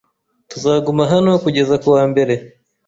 Tuzaguma hano kugeza kuwa mbere.